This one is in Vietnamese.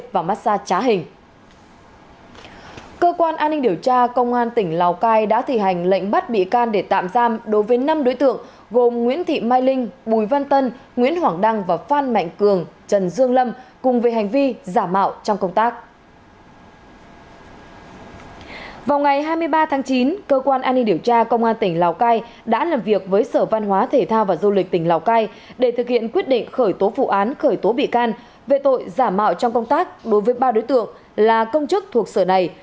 về tội giả mạo trong công tác đối với ba đối tượng là công chức thuộc sở này